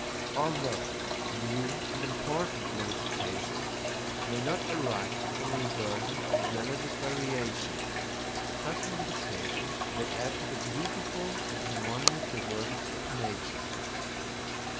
Although new and important modifications may not arise from reversion and analogous variation, such modifications will add to the beautiful and harmonious diversity of nature.